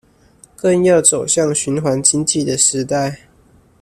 更要走向循環經濟的時代